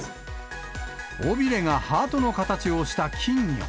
尾びれがハートの形をした金魚。